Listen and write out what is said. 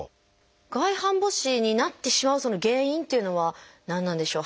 外反母趾になってしまうその原因っていうのは何なんでしょう？